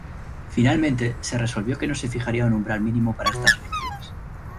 Finalmente, se resolvió que no se fijaría un umbral mínimo para estas elecciones.